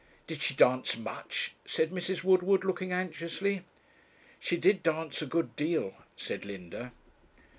'Did she dance much?' said Mrs. Woodward, looking anxiously. 'She did dance a good deal,' said Linda.